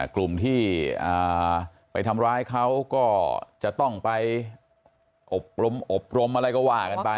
กลุ่มที่ไปทำร้ายเขาก็จะต้องไปอบรมอบรมอะไรก็ว่ากันไป